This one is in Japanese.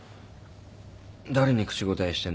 誰に口答えしてんだ